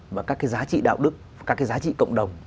và các cái giá trị đạo đức các cái giá trị cộng đồng